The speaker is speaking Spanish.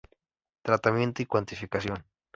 Tratamiento y cuantificación.